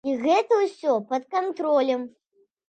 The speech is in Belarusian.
І гэта ўсё пад кантролем.